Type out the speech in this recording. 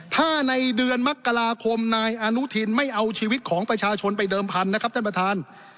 ถ้าในเดือนมกราคมนายอนุทินไม่เอาชีวิตของประชาชนไปเดิมพันธุ์นะครับท่านประธาน